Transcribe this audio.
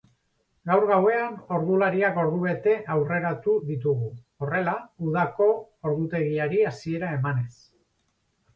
Gaur gauean ordulariak ordubete aurreratu ditugu, horrela udako ordutegiari hasiera emanez.